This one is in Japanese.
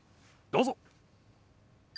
どうぞ。